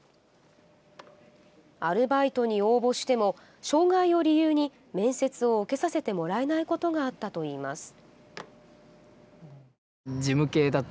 アルバイトに応募しても障害を理由に、面接を受けさせてもらえないことがあったといいます。